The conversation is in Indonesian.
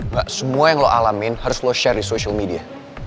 gak semua yang lo alamin harus lo share di social media